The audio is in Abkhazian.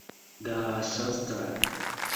Даасазҵааит.